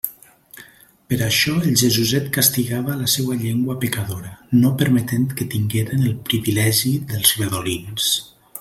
Per això el Jesuset castigava la seua llengua pecadora, no permetent que tingueren el privilegi dels redolins.